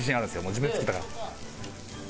自分で作ったから。